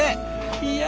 いや！